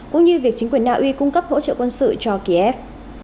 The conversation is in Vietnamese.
cũng như việc chính quyền naui cung cấp hỗ trợ quân sự cho kiev